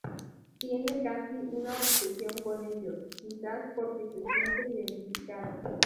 Tiene casi una obsesión con ellos, quizás porque se siente identificada.